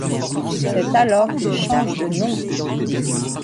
C'est alors qu'il change de nom.